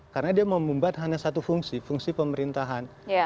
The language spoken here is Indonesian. karena dia memembat hanya satu fungsi fungsi pemerintahan